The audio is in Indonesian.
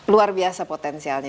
luar biasa potensialnya